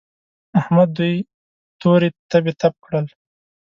احمد دوی تورې تبې تپ کړل.